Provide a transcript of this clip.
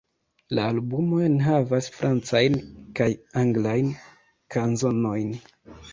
La albumo enhavas francajn kaj anglajn kanzonojn.